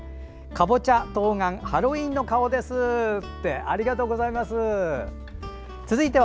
かぼちゃ、冬瓜ハロウィーンの顔ですって。